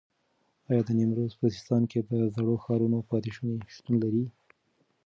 ایا د نیمروز په سیستان کې د زړو ښارونو پاتې شونې شتون لري؟